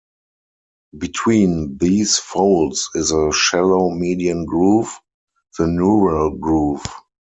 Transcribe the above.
Between these folds is a shallow median groove, the neural groove.